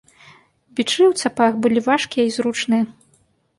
Бічы ў цапах былі важкія і зручныя.